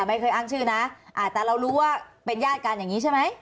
ไม่เคยอ้างชื่อนะแต่เรารู้ว่าเป็นญาติกันอย่างนี้ใช่ไหม